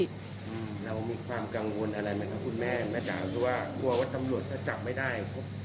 เรามีความกังวลอะไรไหมครับคุณแม่แม่จ๋าหรือว่ากลัวว่าตำรวจจะจับไม่ได้